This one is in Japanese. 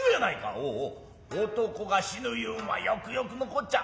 おお男が死ぬいうんはよくよくのこっちゃ。